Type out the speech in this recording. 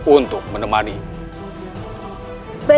untuk menempatkanmu ke jepun